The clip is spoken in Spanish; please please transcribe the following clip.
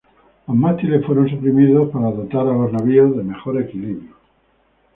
Los mástiles fueron suprimidos para dotar a los navíos de mejor equilibrio.